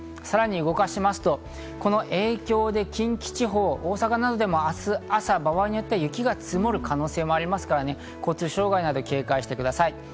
さらに動かしますとこの影響で近畿地方、大阪などでも明日朝、場合によっては雪が積もる可能性もありますから、交通障害などに警戒してください。